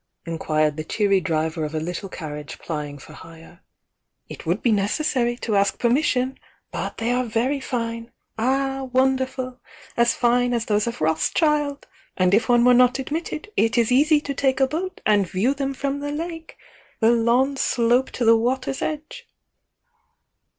inquired the cheery driver of a httle carriage plying for hire. "It would be necessary to ask permission. But they are very fine!— Ah, wonderful!— as fine as those of Rothschild ! And if one were not admitted, it is easy to take a boat, and view them from the lake! The lawns slope to the water's edge."